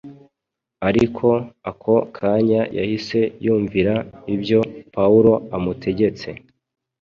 ariko ako kanya yahise yumvira ibyo Pawulo amutegetse